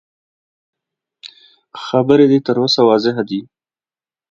خبرې دې يې تر وسه وسه واضح وي.